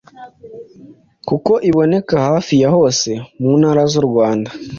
kuko iboneka hafi ya hose mu ntara z’u Rwanda,